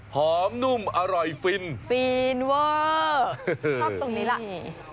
นุ่มอร่อยฟินฟีนเวอร์ชอบตรงนี้ล่ะ